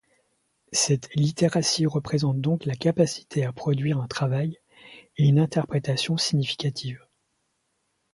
Cette littératie représente donc la capacité à produire un travail et une interprétation significative.